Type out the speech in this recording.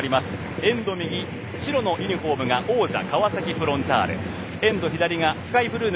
エンド右、白のユニフォームが王者・川崎フロンターレ。